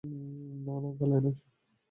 না, না, গালে নয়।